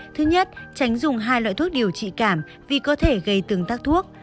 thứ nhất tránh dùng hai loại thuốc điều trị cảm vì có thể gây tương tác thuốc